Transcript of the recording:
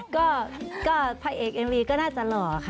ก็พระเอกเอ็มวีก็น่าจะหล่อค่ะ